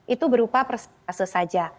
itu berupa proses saja